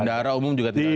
bendara umum juga tidak ada